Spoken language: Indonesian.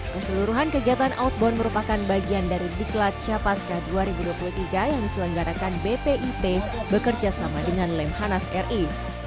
keseluruhan kegiatan outbound merupakan bagian dari diklat capaska dua ribu dua puluh tiga yang diselenggarakan bpip bekerja sama dengan lemhanas ri